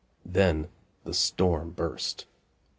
Then the storm burst.